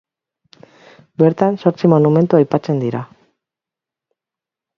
Bertan zortzi monumentu aipatzen dira.